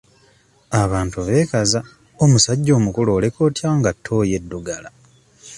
Abantu beekaza omusajja omukulu oleka otya nga ttooyi eddugala?